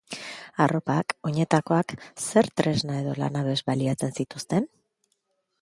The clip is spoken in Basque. Arropak, oinetakoak... Ze tresna eta lanabes baliatzen zituzten?